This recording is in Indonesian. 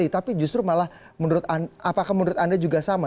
tapi apakah menurut anda juga sama